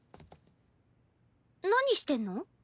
何してんの？